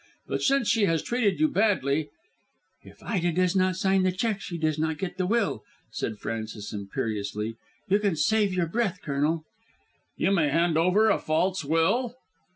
But since she has treated you badly " "If Ida does not sign the cheque she does not get the will," said Frances imperiously. "You can save your breath, Colonel." "You may hand over a false will?"